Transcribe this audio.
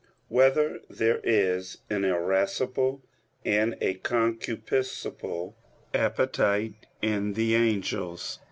4] Whether There Is an Irascible and a Concupiscible Appetite in the Angels?